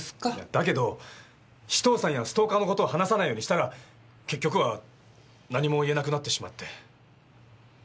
だけど紫藤さんやストーカーの事を話さないようにしたら結局は何も言えなくなってしまって。